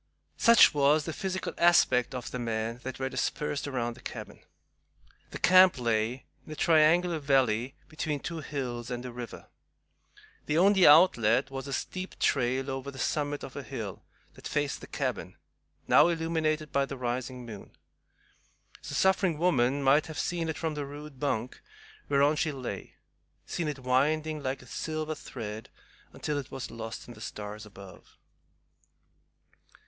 Such was the physical aspect of the men that were dispersed around the cabin. The camp lay in a triangular valley between two hills and a river. The only outlet was a steep trail over the summit of a hill that faced the cabin, now illuminated by the rising moon. The suffering woman might have seen it from the rude bunk whereon she lay, seen it winding like a silver thread until it was lost in the stars above.